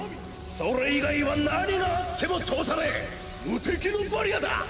それ以外は何があっても通さねえ無敵のバリアだ。